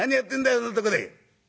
そんなとこで」。